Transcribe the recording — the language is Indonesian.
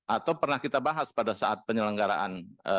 atau pernah kita bahas pada saat penyelenggaraan